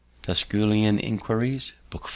Tusculan Inquiries, Book V.